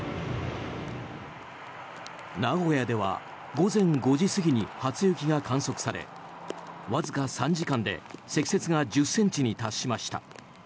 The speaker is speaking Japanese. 名古屋では午前５時過ぎに初雪が観測されわずか３時間で積雪が１０ｃｍに達しました。